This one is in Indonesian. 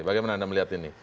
bagaimana anda melihat ini